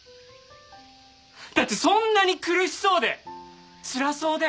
だってそんなに苦しそうでつらそうで。